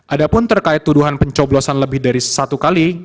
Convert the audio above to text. ada pun terkait tuduhan pencoblosan lebih dari satu kali